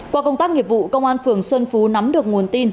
qua công tác nghiệp vụ công an phường xuân phú nắm được nguồn tin